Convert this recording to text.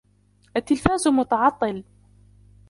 التلفاز متعطل.